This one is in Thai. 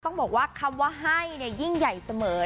ต้องบอกว่าคำว่าให้ยิ่งใหญ่เสมอ